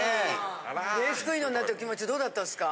レースクイーンなった気持ちどうだったすか？